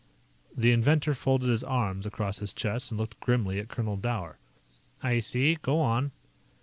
The inventor folded his arms across his chest and looked grimly at Colonel Dower. "I see. Go on."